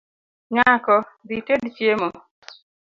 Nyako, dhited chiemo